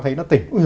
thấy nó tỉnh